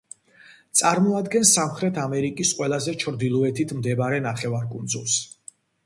წარმოადგენს სამხრეთ ამერიკის ყველაზე ჩრდილოეთით მდებარე ნახევარკუნძულს.